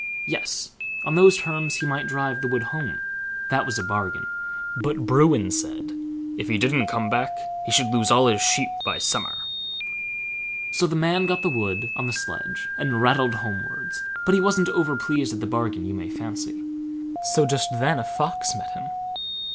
Yes! on those terms he might drive the wood home, that was a bargain; but Bruin said, "if he didn't come back, he should lose all his sheep by summer". So the man got the wood on the sledge and rattled homewards, but he wasn't over pleased at the bargain you may fancy. So just then a Fox met him.